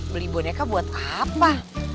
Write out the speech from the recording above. beli boneka buat apa